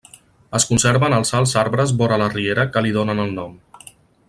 Es conserven els alts arbres vora la riera que li donen el nom.